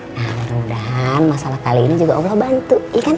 nah mudah mudahan masalah kali ini juga allah bantu